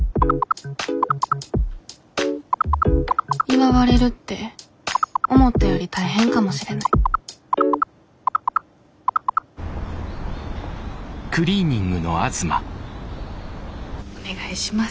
祝われるって思ったより大変かもしれないお願いします。